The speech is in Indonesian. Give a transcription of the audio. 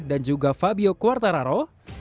dan juga fabio quartararo